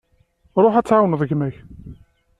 Ruḥ ad tɛawneḍ gma-k.